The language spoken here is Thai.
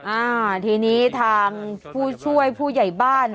อ่าทีนี้ทางผู้ช่วยผู้ใหญ่บ้าน